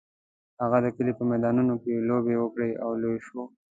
هغه د کلي په میدانونو کې لوبې وکړې او لوی شو.